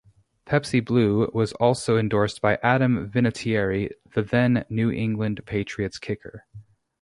Pepsi Blue was also endorsed by Adam Vinatieri, the then New England Patriots kicker.